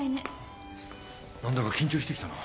何だか緊張してきたな。